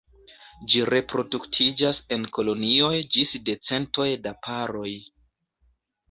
Ĝi reproduktiĝas en kolonioj ĝis de centoj da paroj.